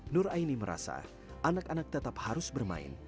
nur aini merasa anak anak tetap harus bermain